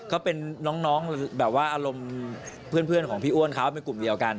ก็เป็นน้องแบบว่าอารมณ์เพื่อนของพี่อ้วนเขาเป็นกลุ่มเดียวกัน